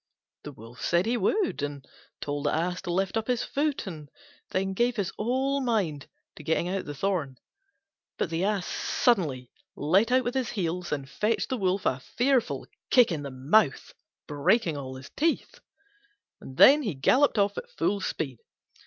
The Wolf said he would, and told the Ass to lift up his foot, and gave his whole mind to getting out the thorn. But the Ass suddenly let out with his heels and fetched the Wolf a fearful kick in the mouth, breaking his teeth; and then he galloped off at full speed.